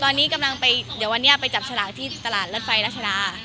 ตอนนี้กำลังไปเดี๋ยววันนี้ไปจับฉลากที่ตลาดรถไฟรัชดา